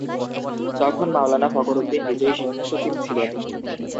তখন মাওলানা ফখরুদ্দীন নিজেই শিক্ষা সচিব ছিলেন।